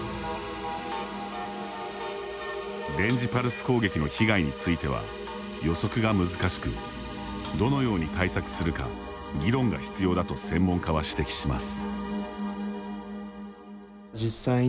電磁パルス攻撃の被害については予測が難しくどのように対策するか議論が必要だと専門家は指摘します。